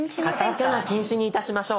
カタカナ禁止にいたしましょう！